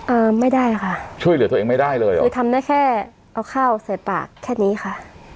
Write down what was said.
อ่าไม่ได้ค่ะช่วยเหลือตัวเองไม่ได้เลยเหรอคือทำได้แค่เอาข้าวใส่ปากแค่นี้ค่ะ